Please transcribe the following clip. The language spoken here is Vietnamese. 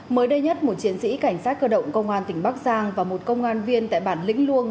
mới đây nhất một chiến sĩ cảnh sát cơ động công an tỉnh bắc giang và một công an viên tại bản lĩnh luông